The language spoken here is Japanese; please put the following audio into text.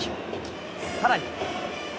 さらに。